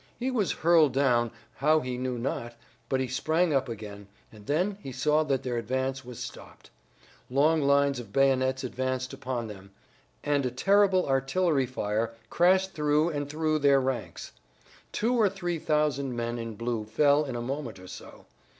He was hurled down, how he knew not, but he sprang up again, and then he saw that their advance was stopped. Long lines of bayonets advanced upon them, and a terrible artillery fire crashed through and through their ranks. Two or three thousand men in blue fell in a moment or so.